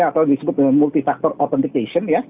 atau disebut multi faktor authentication